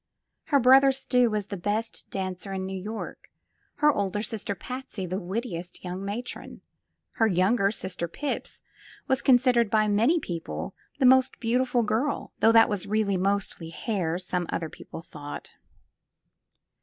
Her brother Stuy was the best dancer in New York ; her older sister Patsy the wittiest young matron; her younger sister Pips was considered by many people the most beautiful girl — ^though that was really mostly hair, some other people thought.